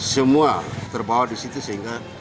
semua terbawa di situ sehingga